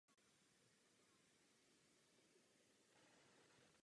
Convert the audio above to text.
V této podobě zůstal cukrovar v provozu ještě dalších padesát let.